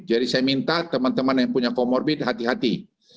jadi saya minta teman teman yang punya kormorbit hati hati